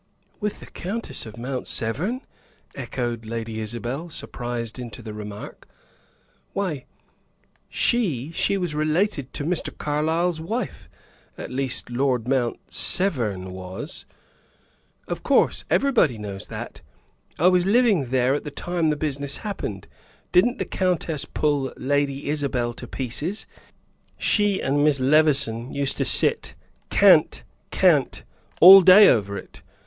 "With the Countess of Mount Severn!" echoed Lady Isabel, surprised into the remark. "Why, she she was related to Mr. Carlyle's wife. At least Lord Mount Severn was." "Of course; everybody knows that. I was living there at the time the business happened. Didn't the countess pull Lady Isabel to pieces! She and Miss Levison used to sit, cant, cant all day over it.